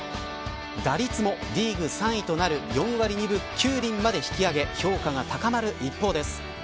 打率もリーグ３位となる４割２分９厘まで引き上げ評価が高まる一方です。